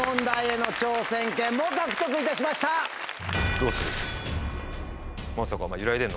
どうする？